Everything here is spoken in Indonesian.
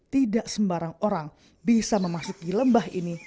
tidak sembarang orang bisa memasuki lembah ini